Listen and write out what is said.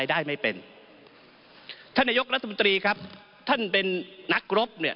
ได้ไม่เป็นท่านนายกรัฐมนตรีครับท่านเป็นนักรบเนี่ย